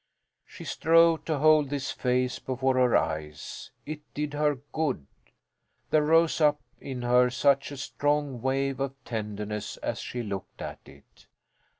She strove to hold this face before her eyes. It did her good. There rose up in her such a strong wave of tenderness as she looked at it!